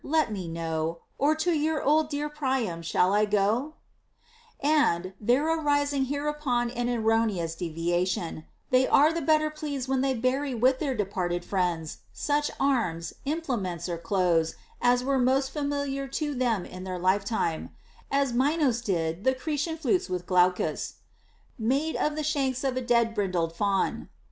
Let me know ; Or to your dear old Priam shall I go 1 t And (there arising hereupon an erroneous deviation) they are the better pleased when they bury with their departed friends such arms, implements, or clothes as were most familiar to them in their lifetime ; as Minos did the Cretan flutes with Glaucus, Made of the shanks of a dead brindled fawn.